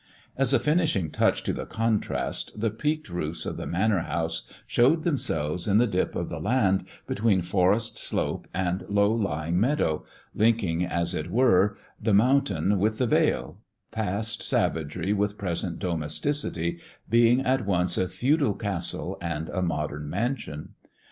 As a finishing touch to the contrast, the peaked roofs of the Manor House showed themselves in the dip of the land, between forest slope and low lying meadow, linking, THE dwarf's chamber 21 as it were, the mountain with the vale, past savagery with present domesticity, being at once a feudal castle and a modern mansion.